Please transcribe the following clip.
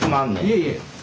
いえいえ。